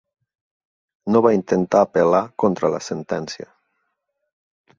No va intentar apel·lar contra la sentència.